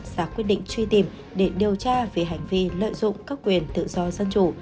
ra quyết định truy tìm để điều tra về hành vi lợi dụng các quyền tự do dân chủ